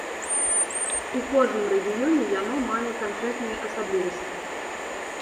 У кожным рэгіёне яно мае канкрэтныя асаблівасці.